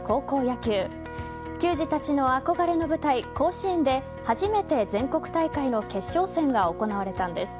球児たちの憧れの舞台、甲子園で初めて全国大会の決勝戦が行われたんです。